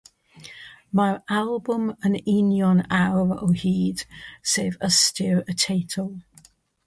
Mae'r albwm yn union awr o hyd, sef ystyr y teitl.